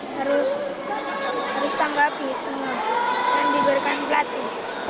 harus tanggapi semua yang diberikan pelatih